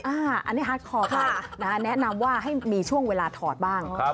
อันนี้ฮาร์ดคอร์ค่ะแนะนำว่าให้มีช่วงเวลาถอดบ้าง